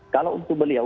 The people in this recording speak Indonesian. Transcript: kalau untuk beliau